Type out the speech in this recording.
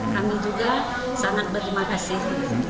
kami juga sangat berterima kasih